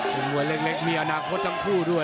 มัวเล็กมีอนาคตทั้งคู่ด้วย